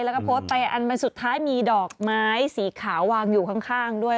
แล้วก็โพสต์ไปอันวันสุดท้ายมีดอกไม้สีขาววางอยู่ข้างด้วย